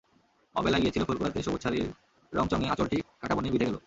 অবেলায় গিয়েছিল ফুল কুড়াতে, সবুজ শাড়ির রংচঙে আঁচলটি কাঁটা বনে বিঁধে গেল।